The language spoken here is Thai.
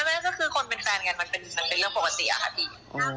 ไม่ก็คือคนเป็นแฟนกันมันเป็นเรื่องปกติอะค่ะพี่